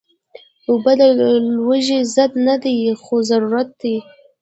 اوبه د لوږې ضد نه دي، خو ضرورت دي